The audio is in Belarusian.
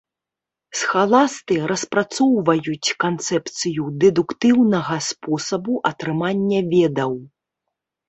Схаласты распрацоўваюць канцэпцыю дэдуктыўнага спосабу атрымання ведаў.